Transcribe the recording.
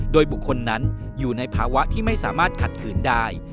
โดยบุคคลนั้นอยู่ในภาวะที่ไม่สามารถขัดขืนได้